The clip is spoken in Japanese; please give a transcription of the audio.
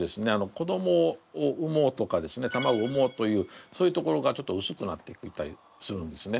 子どもを産もうとかですね卵を産もうというそういうところがちょっとうすくなっていったりするんですね。